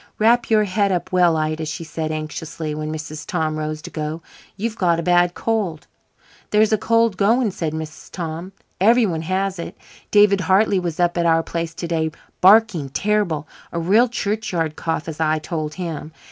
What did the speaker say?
"Wrap your head up well, Ida," she said anxiously, when Mrs. Tom rose to go. "You've got a bad cold." "There's a cold going," said Mrs. Tom. "Everyone has it. David Hartley was up at our place to day barking terrible a real churchyard cough, as I told him.